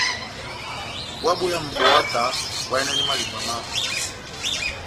Búwa boyamu óvahtanɛ, oháyɛnɛndi malingwa mámi.